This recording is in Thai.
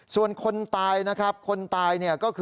ส่วนคนตายนะครับ